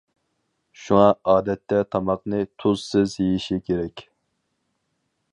شۇڭا ئادەتتە تاماقنى تۇزسىز يېيىشى كېرەك.